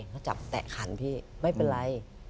เขาจับแตะขันพี่ไม่เป็นไร